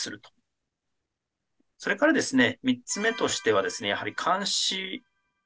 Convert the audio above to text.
それからですね